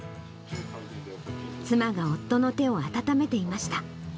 妻が夫の手を温めていました。